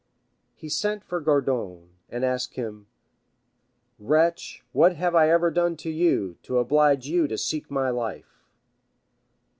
He sent for Gourdon, and asked him, "Wretch, what have I ever done to you, to oblige you to seek my life?"